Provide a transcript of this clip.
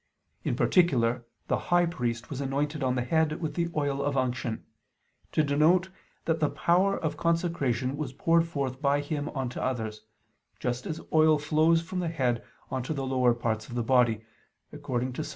In particular, the high priest was anointed on the head with the oil of unction: to denote that the power of consecration was poured forth by him on to others, just as oil flows from the head on to the lower parts of the body; according to Ps.